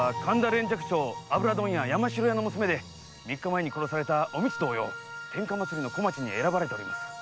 連雀町油問屋山代屋の娘で三日前に殺されたお美津同様天下祭の小町に選ばれています。